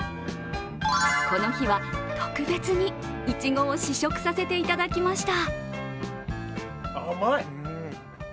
この日は特別に、いちごを試食させていただきました。